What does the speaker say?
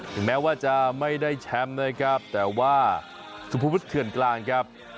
ถึงแม้ว่าจะไม่ได้แชมป์นะครับแต่ว่าสุภวุฒิเขื่อนกลางครับ